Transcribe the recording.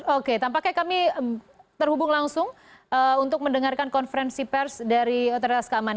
oke tampaknya kami terhubung langsung untuk mendengarkan konferensi pers dari otoritas keamanan